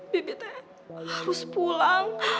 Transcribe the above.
bibik teh harus pulang